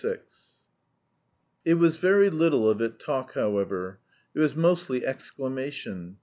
VI It was very little of it talk, however; it was mostly exclamation.